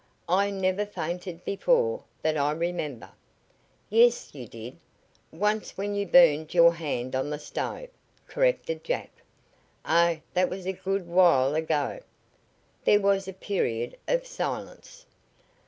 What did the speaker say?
I never fainted before, that I remember." "Yes, you did. Once when you burned your hand on the stove," corrected Jack. "Oh, that was a good while ago." There was a period of silence.